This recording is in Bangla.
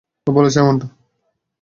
ও বলেছে এমনটা?